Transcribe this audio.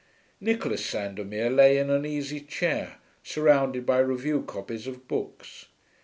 Nicholas Sandomir lay in an easy chair, surrounded by review copies of books.